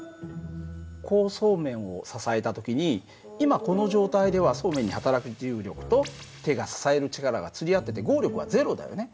こうそうめんを支えた時に今この状態ではそうめんに働く重力と手が支える力が釣り合ってて合力は０だよね。